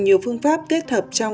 nhiều phương pháp kết hợp trong